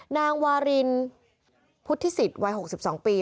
นางวารินพุทธศิษย์วัย๖๒ปี